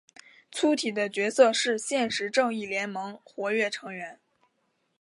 粗体的角色是现时正义联盟活跃成员。